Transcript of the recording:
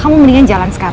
tapi dia terlalu susah